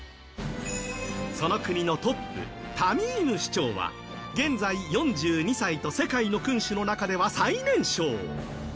その国のトップ、タミーム首長は現在４２歳と世界の君主の中では最年少。